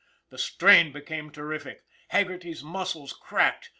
The strain became terrific. Haggerty's muscles cracked.